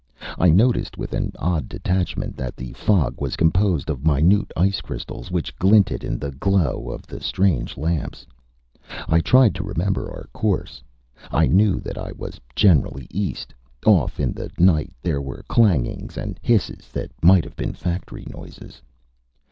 I noticed with an odd detachment that the fog was composed of minute ice crystals, which glinted in the glow of the strange lamps. I tried to remember our course. I knew that it was generally east. Off in the night there were clangings and hisses that might have been factory noises.